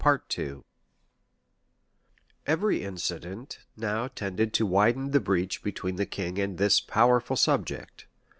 } Every incident now tended to widen the breach between the king and this powerful subject.